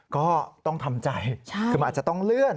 ก็ต้องทำใจคือมันอาจจะต้องเลื่อน